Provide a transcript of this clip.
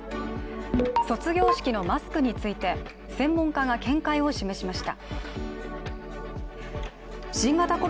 卒業式のマスクについて専門家が見解を示しました。